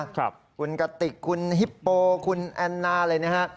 คุณกระติกคุณฮิปโปคุณแอนน่าอะไรอย่างนี้